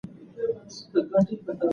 هغه نهادونه چې زاړه دي باید نوي سي.